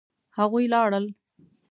هغوی لاړل